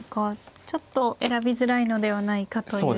ちょっと選びづらいのではないかという。